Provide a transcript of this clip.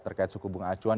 terkait suku bunga acuan